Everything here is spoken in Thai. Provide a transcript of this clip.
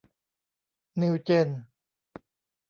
นิวเจน